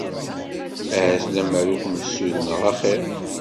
Ahat lemmer ur kem-ssudneɣ axir.